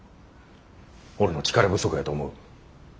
俺の力不足やと思う。